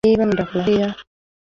Niba nkunda kuza hariya